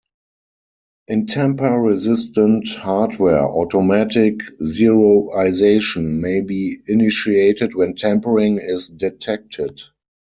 In tamper resistant hardware, automatic zeroisation may be initiated when tampering is detected.